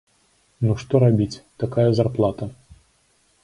Ну, што рабіць, такая зарплата!